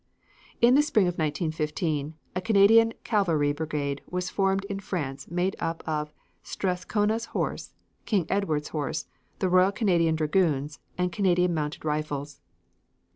In the spring of 1915, a Canadian cavalry brigade was formed in France made up of Strathcona's Horse, King Edward's Horse, the Royal Canadian Dragoons and Canadian Mounted Rifles.